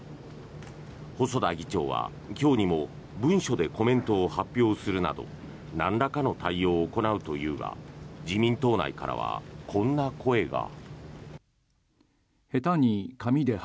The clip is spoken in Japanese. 細田議長は今日にも文書でコメントを発表するなどなんらかの対応を行うというが自民党内からはこんな声が。